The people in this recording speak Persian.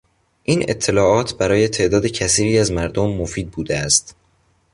این اطلاعات برای تعداد کثیری از مردم مفید بوده است.